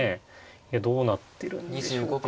いやどうなってるんでしょうか。